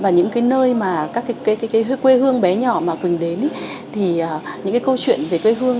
những cái quê hương bé nhỏ mà quỳnh đến thì những cái câu chuyện về quê hương